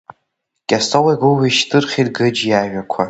Кьасоу игәы ҩышьҭырхит Гыџь иажәақәа.